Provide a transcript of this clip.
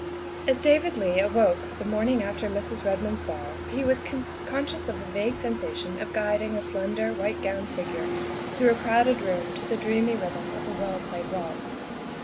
As David Leigh awoke the morning after Mrs. Ked mond's ball he was conscious of a vague sensation of guiding a slender, white gowned figure through a crowded room to the dreamy rhythm of a well played waltz.